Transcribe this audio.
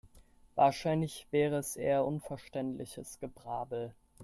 Wahrscheinlich wäre es eher unverständliches Gebrabbel.